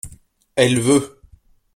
Elle veut.